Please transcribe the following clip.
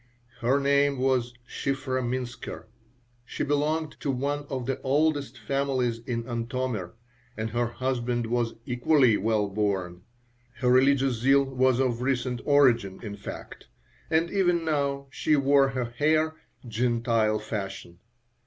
Her name was Shiphrah Minsker. She belonged to one of the oldest families in Antomir, and her husband was equally well born. Her religious zeal was of recent origin, in fact, and even now she wore her hair "Gentile fashion."